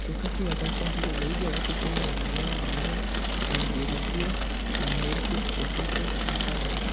Wakati wa ghasia hizo, zaidi ya watu kumi waliuawa, mamia walijeruhiwa na maelfu kukoseshwa makazi.